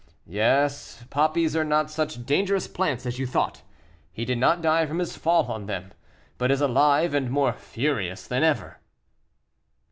"Yes; poppies are not such dangerous plants as you thought; he did not die from his fall on them, but is alive and more furious than ever."